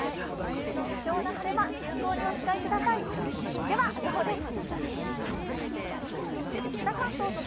梅雨の貴重な晴れ間、有効にお使いください、では予報です。